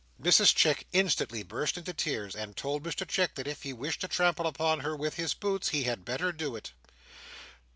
Mrs Chick instantly burst into tears, and told Mr Chick that if he wished to trample upon her with his boots, he had better do It.